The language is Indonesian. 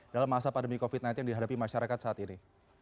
dalam masa pandemi covid sembilan belas yang dihadapi masyarakat saat ini